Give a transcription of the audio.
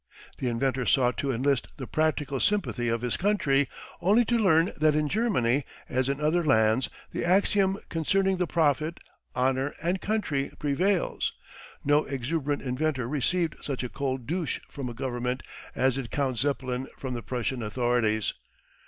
The inventor sought to enlist the practical sympathy of his country, only to learn that in Germany, as in other lands, the axiom concerning the prophet, honour, and country prevails. No exuberant inventor received such a cold douche from a Government as did Count Zeppelin from the Prussian authorities.